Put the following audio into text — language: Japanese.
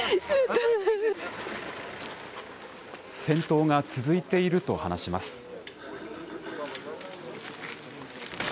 戦闘が続いていると話します。